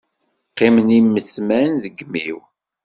Qqimen imetman deg imi-w.